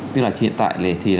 tức là hiện tại thì